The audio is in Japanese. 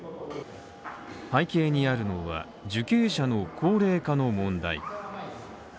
背景にあるのは、受刑者の高齢化の問題